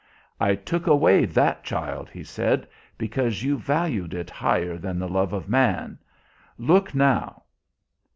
"'I took away that child,' he said, 'because you valued it higher than the love of man. Look now.'